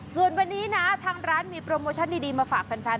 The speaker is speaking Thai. ส่วนตอนนี้ทางร้านมีโปรโมชั่นดีมาฝากแฟนตลอดข่าว